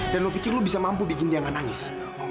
dan lu pikir lu bisa mampu bikin dia gak nangis